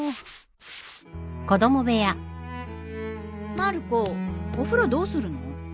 まる子お風呂どうするの？